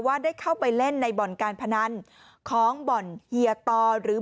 ได้เข้าไปเล่นในบ่อนการพนันของบ่อนเฮียตอหรือ